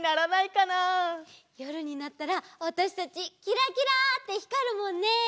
よるになったらわたしたちキラキラってひかるもんね！